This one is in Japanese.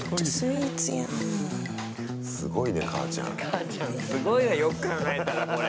母ちゃんすごいなよく考えたら、これ。